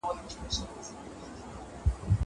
کېدای سي تکړښت ستونزي ولري!